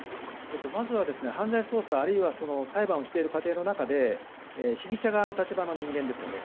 まずは犯罪捜査、あるいは裁判をしている過程の中で被疑者側の立場の人間ですね